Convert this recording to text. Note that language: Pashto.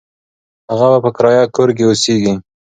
هغه به په کرایه کور کې اوسیږي.